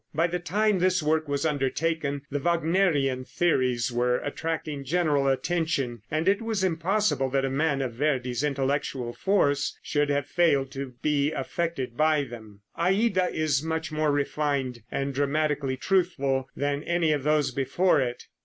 By the time this work was undertaken the Wagnerian theories were attracting general attention, and it was impossible that a man of Verdi's intellectual force should have failed to be affected by them. "Aida" is much more refined and dramatically truthful than any of those before it.